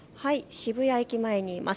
渋谷駅前にいます。